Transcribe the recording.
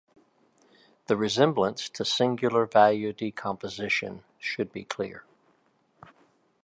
The resemblance to Singular Value Decomposition should be clear.